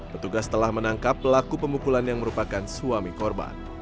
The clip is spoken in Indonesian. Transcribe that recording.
petugas telah menangkap pelaku pemukulan yang merupakan suami korban